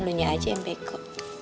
lu nya aja yang bego